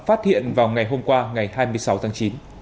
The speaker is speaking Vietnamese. phát hiện vào ngày hôm qua ngày hai mươi sáu tháng chín